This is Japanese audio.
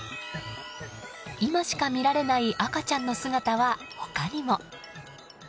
今しか見られない赤ちゃんの姿は他にも。